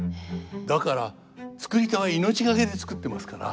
だから作り手は命懸けで作ってますから。